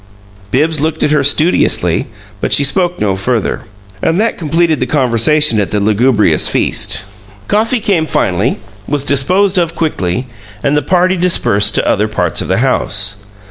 Bibbs looked at her studiously, but she spoke no further. And that completed the conversation at the lugubrious feast. Coffee came finally, was disposed of quickly, and the party dispersed to other parts of the house.